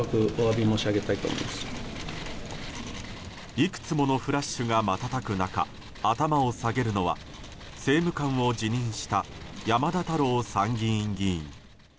いくつものフラッシュが瞬く中頭を下げるのは政務官を辞任した山田太郎参議院議員。